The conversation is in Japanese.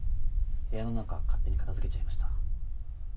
部屋の中勝手に片付けちゃいました。